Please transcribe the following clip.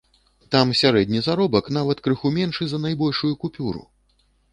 Там сярэдні заробак нават крыху меншы за найбольшую купюру!